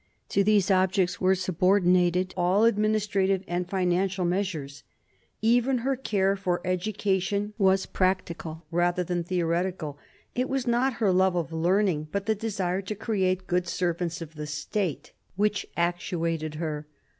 To these objects were subordinated all administrative and financial measures. Even her care for education was practical rather than theoretical ; it was not her love of learning, but the desire to create good servants of the state, K" 86 MARIA THERESA chap, v which actuated her.